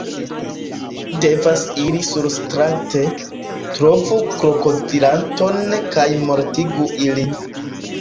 Devas iri surstrate, trovu krokodilanton kaj mortigu ilin